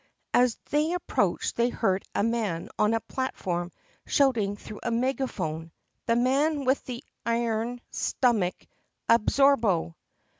As they approached they heard a man on a platform shout ing through a megaphone : "The man with the i ern stum mick — Absorbo!